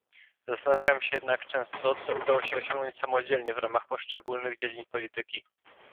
Zastanawiam się jednak często, co udało się osiągnąć samodzielnie w ramach poszczególnych dziedzin polityki